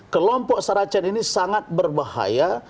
kelompok saracen ini sangat berbahaya